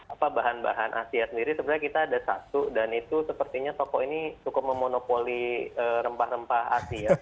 apa bahan bahan asia sendiri sebenarnya kita ada satu dan itu sepertinya toko ini cukup memonopoli rempah rempah asia